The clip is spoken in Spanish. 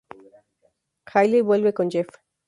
Hayley vuelve con Jeff.